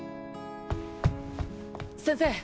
先生。